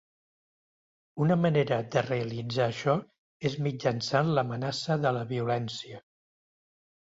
Una manera de realitzar això és mitjançant l'amenaça de la violència.